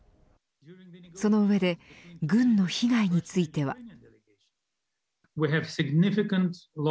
その上で軍の被害については。